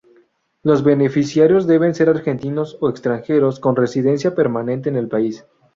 Los beneficiarios deben ser argentinos o extranjeros con residencia permanente en el país.